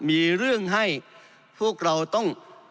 มีเรื่องให้พวกเราต้อง